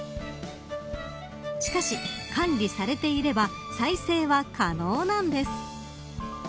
しかし管理されていれば再生は可能なんです。